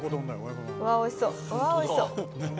うわっおいしそううわっおいしそう。